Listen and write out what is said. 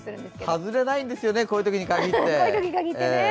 はずれないんですよね、こういうときにかぎって。